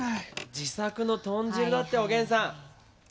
自作の豚汁だっておげんさん。